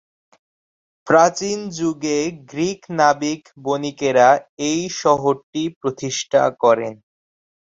প্রাচীন যুগে গ্রিক নাবিক-বণিকেরা এই শহরটি প্রতিষ্ঠা করে।